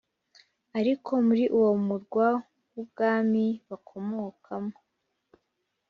.. Ariko muri uwo murwa w’ubwami bakomokamo